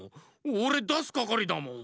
おれだすかかりだもん。